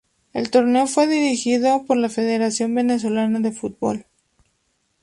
El torneo fue dirigido por la Federación Venezolana de Fútbol.